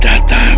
di dalam daum